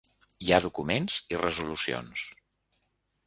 Hi ha documents i resolucions.